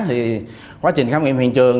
thì quá trình khám nghiệm hiện trường